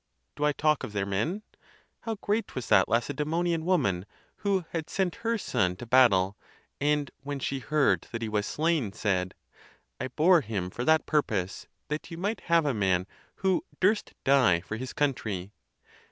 Dol talk of their men? How great was that Lacedemonian woman, who had sent her son to battle, and when she heard that he was slain, said, "I bore him for that purpose, that you might have a man who durst die for his country!"